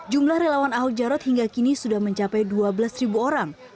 jumlah relawan ahok jarot hingga kini sudah mencapai dua belas orang